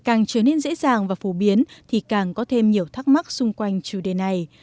càng trở nên dễ dàng và phổ biến thì càng có thêm nhiều thắc mắc xung quanh chủ đề này